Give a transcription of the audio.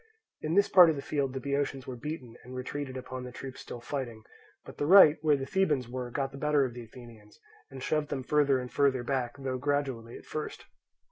In this part of the field the Boeotians were beaten, and retreated upon the troops still fighting; but the right, where the Thebans were, got the better of the Athenians and shoved them further and further back, though gradually at first.